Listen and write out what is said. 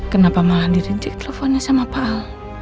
kenapa malah dirintik teleponnya sama pak al